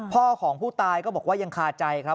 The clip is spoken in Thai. พ่อของผู้ตายก็บอกว่ายังคาใจครับ